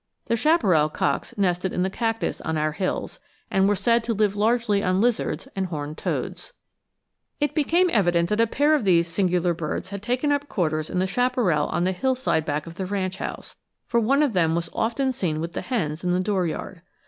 The chaparral cocks nested in the cactus on our hills, and were said to live largely on lizards and horned toads. [Illustration: Valley Quail and Road Runner.] It became evident that a pair of these singular birds had taken up quarters in the chaparral on the hillside back of the ranch house, for one of them was often seen with the hens in the dooryard.